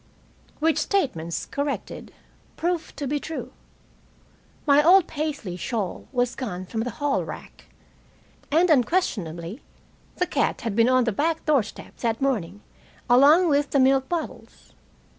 Which statements, corrected, proved to be true. My old Paisley shawl was gone from the hallrack, and unquestionably the cat had been on the back doorstep that morning along with the milk bottles.